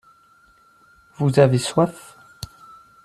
Vous avez soif.